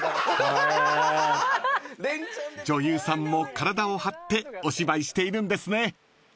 ［女優さんも体を張ってお芝居しているんですね］